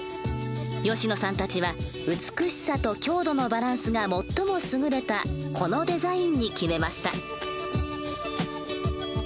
吉野さんたちは美しさと強度のバランスが最も優れたこのデザインに決めました。